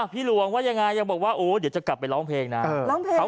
พี่หลวงว่ายังไงยังบอกว่าโอ้เดี๋ยวจะกลับไปร้องเพลงนะ